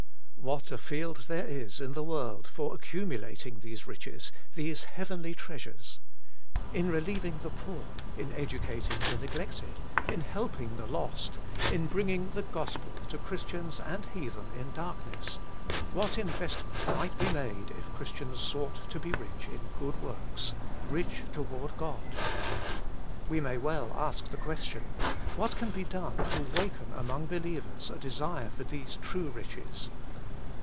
What a field there is in the world for accumulating these riches, these heavenly treasures. In relieving the poor, in educa ting the neglected, in helping the lost, in bringing the gospel to Christians and heathen in darkness, what investment might be made if Christians sought to be rich in good works, rich toward God. We may well ask the question, ' What can be done to waken among believers a desire for these true riches?